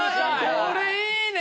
これいいね！